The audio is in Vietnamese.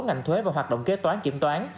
ngành thuê và hoạt động kế toán kiểm toán